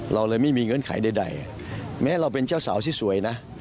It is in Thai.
เราเลยไม่มีเงื่อนไขใดแม้เราเป็นเจ้าสาวที่สวยนะ